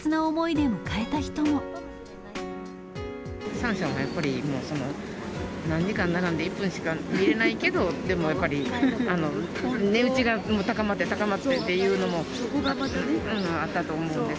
シャンシャンはやっぱり、何時間並んで１分しか見れないけど、でもやっぱり、値打ちが高まって高まってっていうのもあったと思うんです。